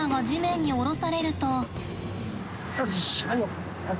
よし。